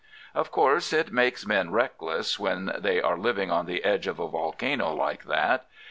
"Of course it makes men reckless when they are living on the edge of a volcano like that.